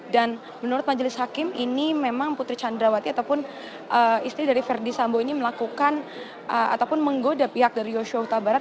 dan menurut majelis hakim ini memang putri candrawati ataupun istri dari verdi sambo ini melakukan ataupun menggoda pihak dari yoshua huta barat